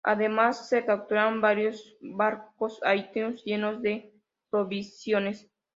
Además se capturaron varios barcos haitianos llenos de provisiones.